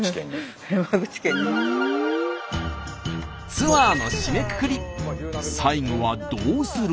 ツアーの締めくくり最後はどうする？